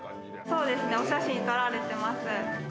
そうですねお写真撮られてます。